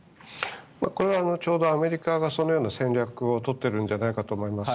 これはちょうどアメリカがそのような戦略を取ってるんじゃないかと思います。